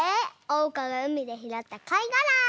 おうかがうみでひろったかいがら。